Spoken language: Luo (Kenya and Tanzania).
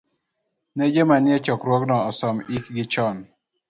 ni joma nie chokruogno osom, ikgi chon.